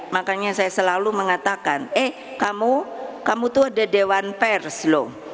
makanya saya selalu mengatakan eh kamu kamu tuh ada dewan pers loh